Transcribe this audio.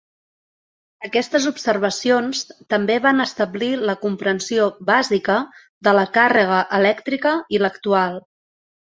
Aquestes observacions també van establir la comprensió bàsica de la càrrega elèctrica i l'actual.